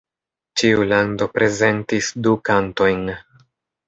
Ĉiu lando prezentis du kantojn.